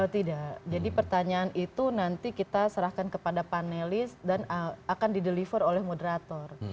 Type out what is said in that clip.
tidak jadi pertanyaan itu nanti kita serahkan kepada panelis dan akan dideliver oleh moderator